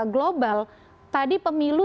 global tadi pemilu